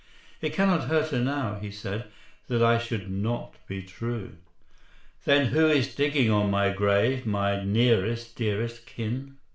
'It cannot hurt her now,' he said, 'That I should not be true.'" "Then who is digging on my grave, My nearest dearest kin?"